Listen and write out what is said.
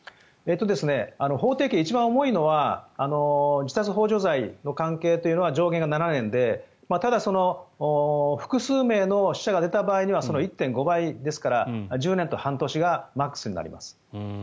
法定刑、一番重いのは自殺ほう助罪の関係というのは上限が７年でただ、複数名の死者が出た場合はその１．５倍ですから１０年と半年がマックスになります。